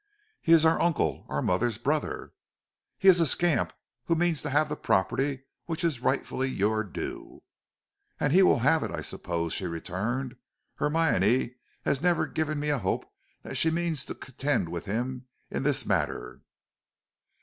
"He is our uncle; our mother's brother." "He is a scamp who means to have the property which is rightfully your due." "And he will have it, I suppose," she returned. "Hermione has never given me a hope that she means to contend with him in this matter."